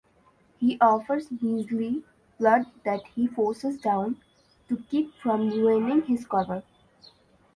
He offers Wesley blood that he forces down, to keep from ruining his cover.